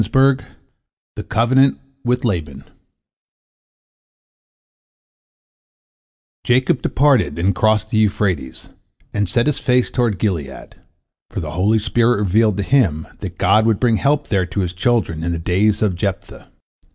THE COVENANT WITH LABAN Jacob departed and crossed the Euphrates, and set his face toward Gilead, for the holy spirit revealed to him that God would bring help there to his children in the days of Jephthah.